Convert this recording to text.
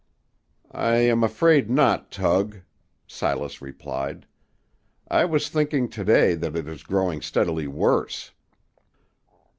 "I am afraid not, Tug," Silas replied. "I was thinking to day that it is growing steadily worse."